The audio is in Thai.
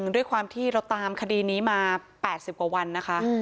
ด้วยความที่เราตามคดีนี้มา๘๐กว่าวันนะคะ